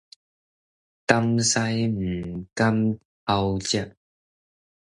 擔屎毋敢偷食